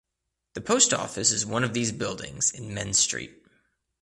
The Post Office is one of these buildings in Mends Street.